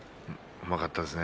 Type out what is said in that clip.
うまかったですね。